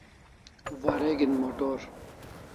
Wareg'in motor